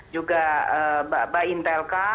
juga mbak intelka